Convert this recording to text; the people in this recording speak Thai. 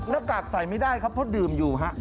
หน้ากากใส่ไม่ได้ครับเพราะดื่มอยู่ฮะ